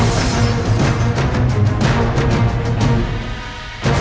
akan aku implicitinya